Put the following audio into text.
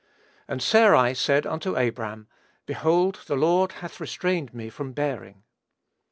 "And Sarai said unto Abram, Behold the Lord hath restrained me from bearing."